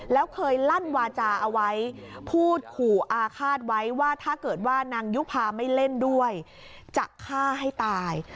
แล้วเคยลั่นวาจาเอาไว้พูดขู่อาฆาตไว้ว่าถ้าเกิดว่านางยุภาไม่เล่นด้วยจะฆ่าให้ตาย